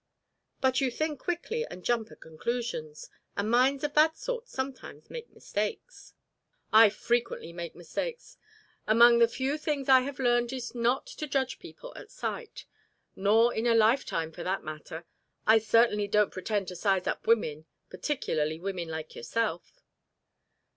"But you think quickly and jump at conclusions. And minds of that sort sometimes make mistakes." "I frequently make mistakes. Among the few things I have learned is not to judge people at sight nor in a lifetime, for that matter. I certainly don't pretend to size up women, particularly women like yourself."